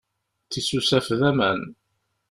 Tisusaf d aman.